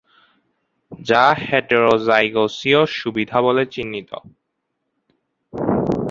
যা হেটেরোজাইগোসীয় সুবিধা বলে চিহ্নিত।